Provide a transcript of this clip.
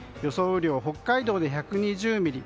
雨量、北海道で１２０ミリ